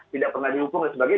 tidak pernah dihukum dan sebagainya